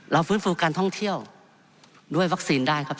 ฟื้นฟูการท่องเที่ยวด้วยวัคซีนได้ครับ